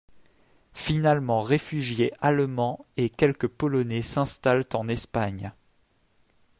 Finalement réfugiés allemands et quelques polonais s'installent en Espagne.